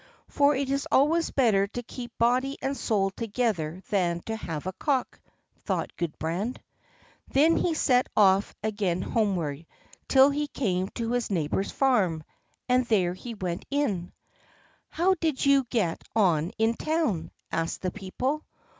"For it is always better to keep body and soul together than to have a cock," thought Gudbrand. He then set off again homeward till he came to his neighbor's farm, and there he went in. "How did you get on in town?" asked the people.